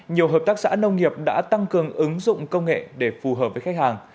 nhiều hợp tác xã nông nghiệp đã tăng cường ứng dụng công nghệ để phù hợp với khách hàng